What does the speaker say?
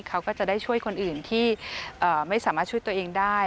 เขาก็จะได้ช่วยคนอื่นที่ไม่สามารถช่วยตัวเองได้